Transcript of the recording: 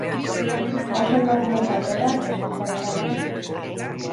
Oso emakume jatorra eta eskuzabala da.